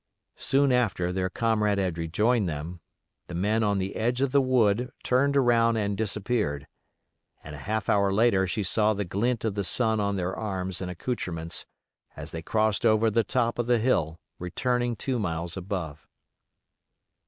Soon after their comrade had rejoined them, the men on the edge of the wood turned around and disappeared, and a half hour later she saw the glint of the sun on their arms and accoutrements as they crossed over the top of the hill returning two miles above.